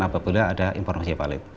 apabila ada informasi yang palit